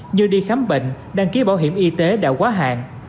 như đi khám bệnh đăng ký bảo hiểm y tế đã quá hạn